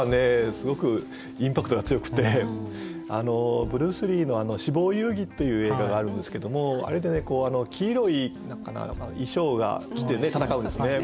すごくインパクトが強くてブルース・リーの「死亡遊戯」という映画があるんですけどもあれでね黄色い衣装が着てね戦うんですね。